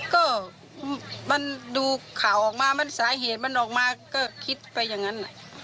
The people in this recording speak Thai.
ก็มันดูข่าวออกมามันสาเหตุมันออกมาก็คิดไปอย่างนั้น